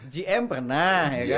gm pernah ya kan